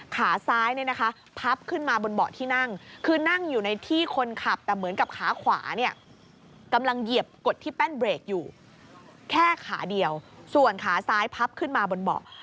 ขาซ้ายเนี่ยนะคะพับขึ้นมาบนเบาะที่นั่ง